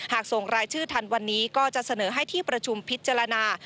ส่งรายชื่อทันวันนี้ก็จะเสนอให้ที่ประชุมพิจารณา